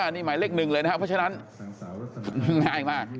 นี่หมายเลข๑เลยนะเพราะฉะนั้นง่ายมาก